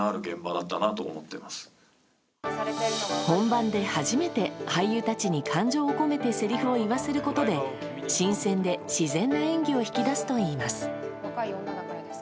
本番で初めて俳優たちに感情を込めてせりふを言わせることで新鮮で自然な演技を引き出すといいます。